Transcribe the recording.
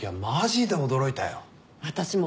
私も。